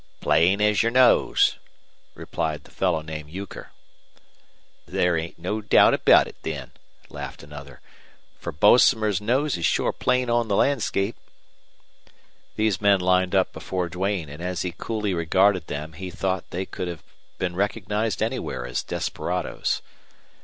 "Plain as your nose," replied the fellow called Euchre. "There ain't no doubt about thet, then," laughed another, "fer Bosomer's nose is shore plain on the landscape." These men lined up before Duane, and as he coolly regarded them he thought they could have been recognized anywhere as desperadoes.